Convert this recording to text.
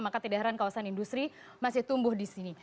maka tidak heran kawasan industri masih tumbuh di sini